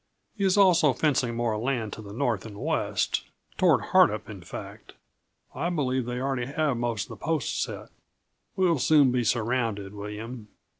He is also fencing more land to the north and west toward Hardup, in fact. I believe they already have most of the posts set. We'll soon be surrounded, William.